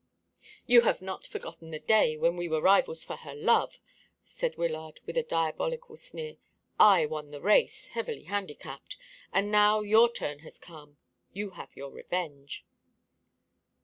"You have not forgotten the day when we were rivals for her love," said Wyllard, with a diabolical sneer. "I won the race, heavily handicapped; and now your turn has come. You have your revenge."